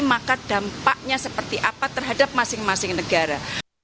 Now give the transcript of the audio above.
maka dampaknya seperti apa terhadap masing masing negara